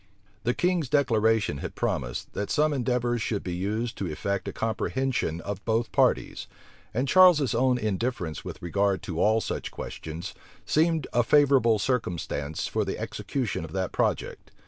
The king's declaration had promised, that some endeavors should be used to effect a comprehension of both parties; and Charles's own indifference with regard to all such questions seemed a favorable circumstance for the execution of that project.